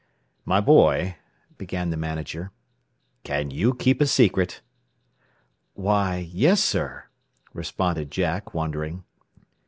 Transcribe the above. "My boy," began the manager, "can you keep a secret?" "Why yes, sir," responded Jack, wondering.